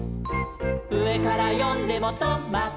「うえからよんでもト・マ・ト」